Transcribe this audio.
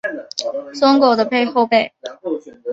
松驹的后辈。